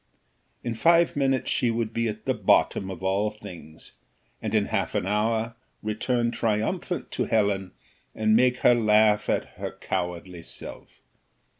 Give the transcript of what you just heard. In five minutes she should be at the bottom of all things, and in half an hour return triumphant to Helen, and make her laugh at her cowardly self.